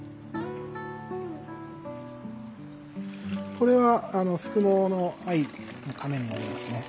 これはあのすくもの藍のかめになりますね。